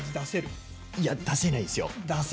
絶対出せないんですよ。